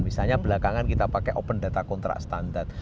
misalnya belakangan kita pakai open data kontrak standar